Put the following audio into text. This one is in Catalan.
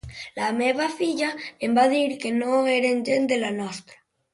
La meva filla em va dir que no eren gent de la nostra.